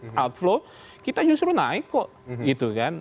di saat pma menurun outflow kita justru naik kok gitu kan